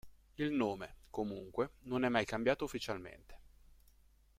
Il nome, comunque, non è mai cambiato ufficialmente.